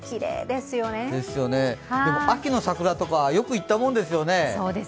でも秋の桜とかよく言ったものですよね。